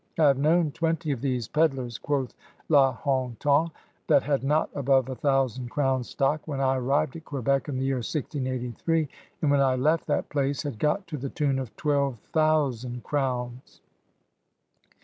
"I have known twenty of these pedlars,*' quoth La Hontan, ^'that had not above a thousand crowns stock when I arrived at Quebec in the year 1683 and when I left that place had got to the tune of twelve thousand crowns.